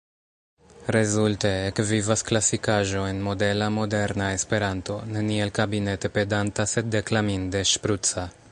Rezulte: ekvivas klasikaĵo en modela, moderna Esperanto – neniel kabinete pedanta sed deklaminde ŝpruca.